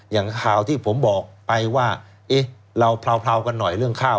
อย่างข่าวที่ผมบอกไปว่าเอ๊ะเราเผลากันหน่อยเรื่องข้าว